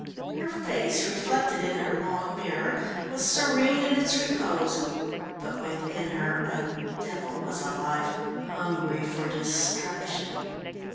Her face, reflected in her long mirror, was serene in its repose, but within her a devil was alive, hungry for destruction.